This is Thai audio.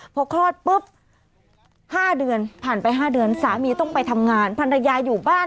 พอคลอดปุ๊บ๕เดือนผ่านไป๕เดือนสามีต้องไปทำงานภรรยาอยู่บ้าน